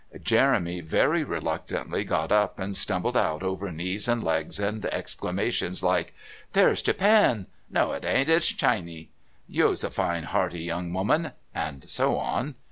Jeremy very reluctantly got up, and stumbled out over knees and legs and exclamations like: "There's Japan!" "No, it ain't; it's Chiney!" "You's a fine, hearty young woman!" and so on.